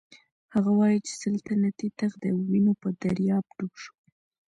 هغه وايي چې سلطنتي تخت د وینو په دریاب ډوب شو.